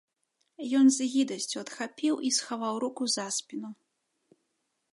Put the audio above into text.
Ён з гідасцю адхапіў і схаваў руку за спіну.